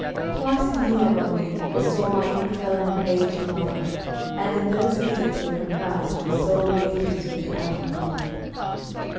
Twice a year only I saw my infirm and aged mother, and in those visits were comprised my sole relations with the outer world.